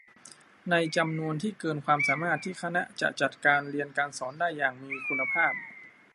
ในจำนวนที่เกินความสามารถที่คณะจะจัดการเรียนการสอนได้อย่างมีคุณภาพ